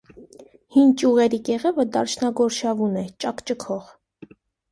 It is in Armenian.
Հին ճյուղերի կեղևը դարչնագորշավուն է, ճաքճքող։